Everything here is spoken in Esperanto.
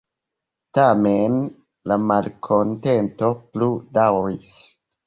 Tamen la malkontento plu-daŭris.